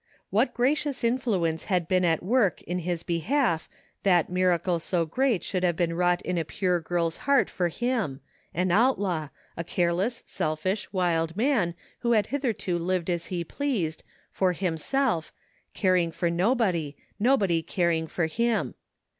What gracious influence had been at work in his behalf that miracle so great should have been wrought in a pure girl's heart for him; an outlaw — a careless, selfish, wild man who had hitherto lived as he pleased, for himself, caring for nobody, nobody caring for him.